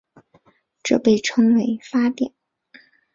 这被称为发电。